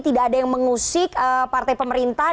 tidak ada yang mengusik partai pemerintah